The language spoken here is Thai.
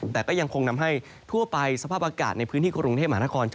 แต่ก็ยังคงนำให้ทั่วไปสภาพอากาศในพื้นที่กรุงเทพมหานคร